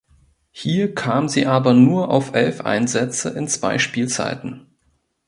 Hier kam sie aber nur auf elf Einsätze in zwei Spielzeiten.